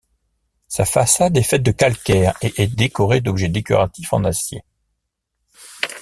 Sa façade est faite de calcaire et est décorée d'objets décoratifs en acier.